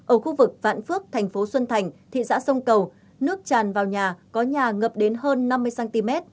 ở khu vực vạn phước thành phố xuân thành thị xã sông cầu nước tràn vào nhà có nhà ngập đến hơn năm mươi cm